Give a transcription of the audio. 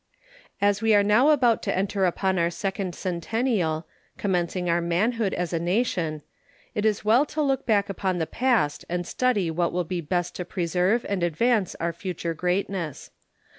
As we are now about to enter upon our second centennial commencing our manhood as a nation it is well to look back upon the past and study what will be best to preserve and advance our future greatness.